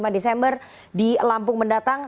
dua puluh lima desember di lampung mendatang